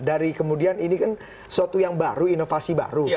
dari kemudian ini kan suatu yang baru inovasi baru